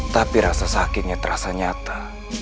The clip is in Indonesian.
tapi rasa sakitnya terasa nyata